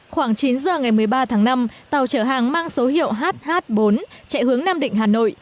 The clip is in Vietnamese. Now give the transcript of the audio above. khoảng chín giờ ngày một mươi ba tháng năm tàu chở hàng mang số hiệu hh bốn chạy hướng nam định hà nội